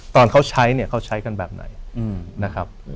ตอนเขาใช้เนี่ยเขาใช้กันแบบไหนนะครับ